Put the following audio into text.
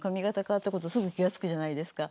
変わったことすぐ気が付くじゃないですか。